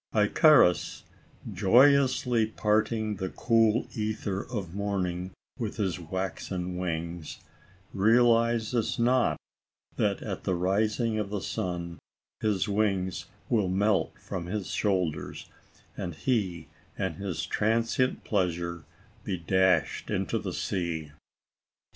Icarus, joyously parting the cool ether of morning with his waxen wings, realizes not, that, at the rising of the Sun, his wings will melt from his shoulders, and he and his transient pleasure be dashed into the sea.